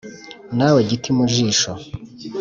Nawe giti mu jisho